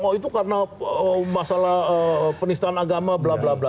mau itu karena masalah penistan agama bla bla bla